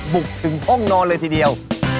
บุกถึงห้องนอนเลยทีเดียว